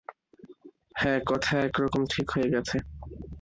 হাঁ, কথা একরকম ঠিক হয়ে গেছে।